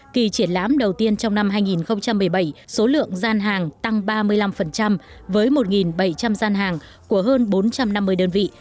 kỳ triển lãm đầu tiên trong năm hai nghìn một mươi bảy số lượng gian hàng tăng ba mươi năm với một bảy trăm linh gian hàng của hơn bốn trăm năm mươi đơn vị